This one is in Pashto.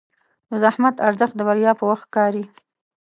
د زحمت ارزښت د بریا په وخت ښکاري.